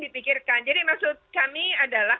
dipikirkan jadi maksud kami adalah